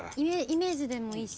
イメージでもいいし。